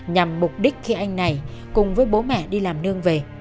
nhằm mục đích khi anh này cùng với bố mẹ đi làm nương về